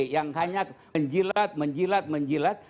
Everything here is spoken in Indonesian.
yang hanya menjilat menjilat menjilat